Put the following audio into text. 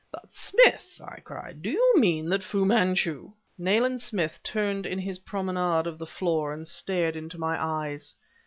"But Smith!" I cried, "do you mean that Fu Manchu..." Nayland Smith turned in his promenade of the floor, and stared into my eyes.